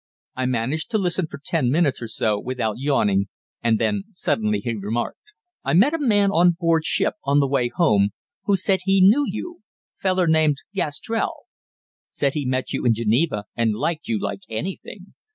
I managed to listen for ten minutes or so without yawning, and then suddenly he remarked: "I met a man on board ship, on the way home, who said he knew you feller named Gastrell. Said he met you in Geneva, and liked you like anything.